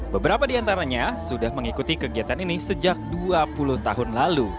beberapa di antaranya sudah mengikuti kegiatan ini sejak dua puluh tahun lalu